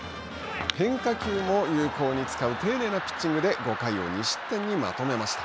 変化球も有効に使う丁寧なピッチングで５回を２失点にまとめました。